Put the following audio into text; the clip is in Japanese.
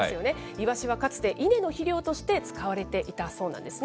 イワシはかつて稲の肥料として使われていたそうなんですね。